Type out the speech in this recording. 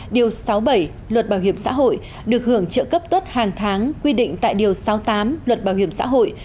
điều sáu bảy luật bảo hiểm xã hội được hưởng trợ cấp tốt hàng tháng quy định tại điều sáu tám luật bảo hiểm xã hội